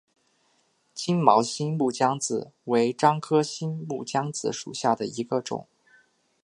金毛新木姜子为樟科新木姜子属下的一个种。